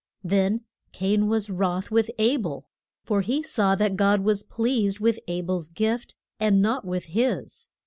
Then Cain was wroth with A bel, for he saw that God was pleased with A bel's gift and not with his.